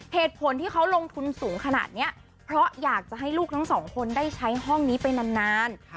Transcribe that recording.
เหตุผลที่เขาลงทุนสูงขนาดนี้เพราะอยากจะให้ลูกทั้งสองคนได้ใช้ห้องนี้ไปนาน